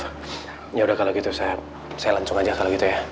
ya udah kalau gitu saya langsung aja kalau gitu ya